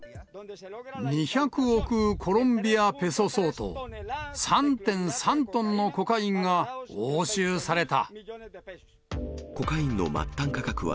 ２００億コロンビアペソ相当、３．３トンのコカインが押収された。